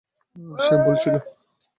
সে ভুল ছিল।